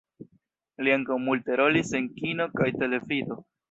Li ankaŭ multe rolis en kino kaj televido.